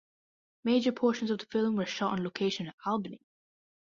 Major portions of the film were shot on location in Albany.